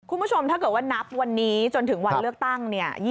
คุณผู้ชมถ้าเกิดว่านับวันนี้จนถึงวันเลือกตั้งเนี่ย